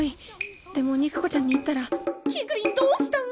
でも肉子ちゃんに言ったらキクリンどうしたん！